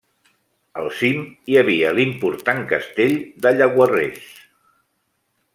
Al cim hi havia l'important castell de Llaguarres.